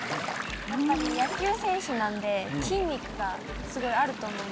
やっぱり野球選手なんで筋肉がすごいあると思うんですよ。